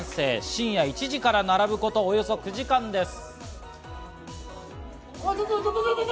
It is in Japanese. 深夜１時から並ぶことおよそ９時間です。